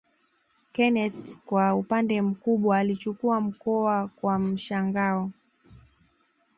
Kenneth kwa upande mkubwa alichukua mkoa kwa mshangao